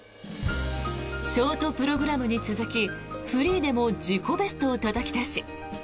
ショートプログラムに続きフリーでも自己ベストをたたき出し